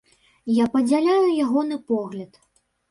Я падзяляю ягоны погляд.